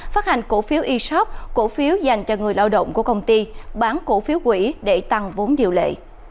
phát hành cổ phiếu e shop cổ phiếu dành cho người lao động của công ty bán cổ phiếu quỹ để tăng vốn điều lệ